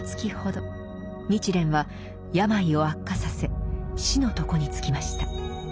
日蓮は病を悪化させ死の床につきました。